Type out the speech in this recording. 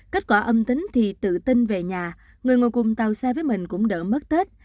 kết quả âm tính thì tự tin về nhà người ngồi cùng tàu xe với mình cũng đỡ mất tết